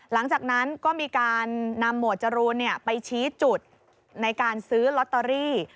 หลังจากนั้นก็มีการนำหมวดจรูนไปชี้จุดในการซื้อลอตเตอรี่